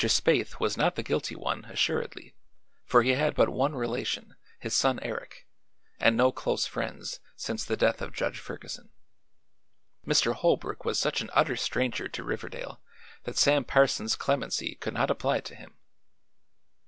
Spaythe was not the guilty one, assuredly, for he had but one relation, his son Eric, and no close friends since the death of Judge Ferguson. Mr. Holbrook was such an utter stranger to Riverdale that Sam Parsons' clemency could not apply to him.